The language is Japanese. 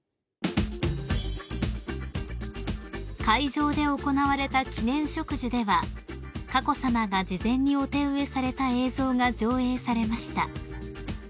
［会場で行われた記念植樹では佳子さまが事前にお手植えされた映像が上映されました］